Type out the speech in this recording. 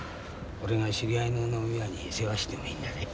俺が知り合いの飲み屋に世話してもいいんだぜ。